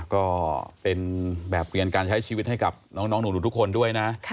ก็เป็นแบบเปลี่ยนการใช้ชีวิตให้กับน้องหนูทุกคนด้วยนะ